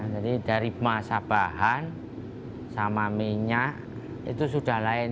jadi dari masa bahan sama minyak itu sudah lain